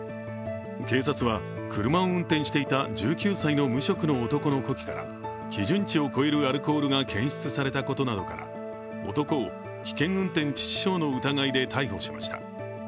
警察は、車を運転していた１９歳の無職の男の呼気から基準値を超えるアルコールが検出されたことなどから男を危険運転致死傷の疑いで逮捕しました。